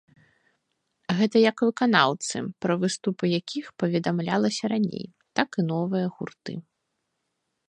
Гэта як выканаўцы, пра выступы якіх паведамлялася раней, так і новыя гурты.